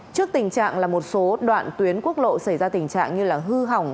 trước tình trạng là một số đoạn tuyến quốc lộ xảy ra tình trạng như hư hỏng